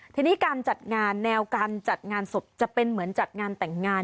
ทีนี้การจัดงานแนวการจัดงานศพจะเป็นเหมือนจัดงานแต่งงาน